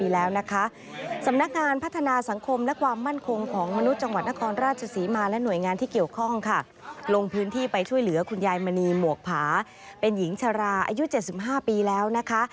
ลงพื้นที่ไปช่วยเหลือคุณยายมณีหมวกผาเป็นหญิงชราอายุ๗๕ปีแล้วนะคะ